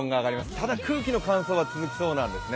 ただ空気の乾燥は続きそうなんですね。